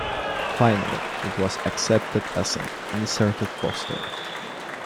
Finally it was accepted as an inserted poster.